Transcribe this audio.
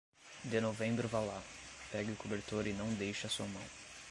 De novembro vá lá, pegue o cobertor e não deixe a sua mão.